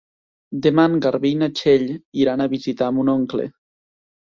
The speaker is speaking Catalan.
Demà en Garbí i na Txell iran a visitar mon oncle.